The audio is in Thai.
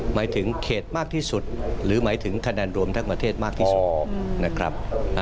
หมายถึงเขตมากที่สุดหรือหมายถึงคะแนนรวมทั้งประเทศมากที่สุดนะครับ